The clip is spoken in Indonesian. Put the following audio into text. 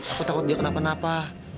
aku takut dia kenapa napa